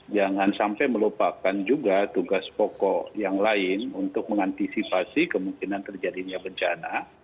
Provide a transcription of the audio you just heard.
jangan sampai melupakan juga tugas pokok yang lain untuk mengantisipasi kemungkinan terjadinya bencana